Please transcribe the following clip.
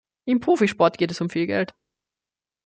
Im Profisport geht es um viel Geld.